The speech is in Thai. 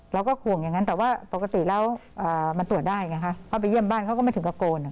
อย่างนี้รู้สึกยังไงคะ